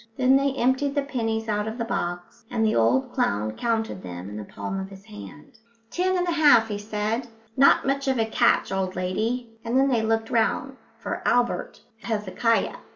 Then they emptied the pennies out of the box, and the old clown counted them in the palm of his hand. "Ten and a half," he said, "not much of a catch, old lady," and then they looked round for Albert Hezekiah.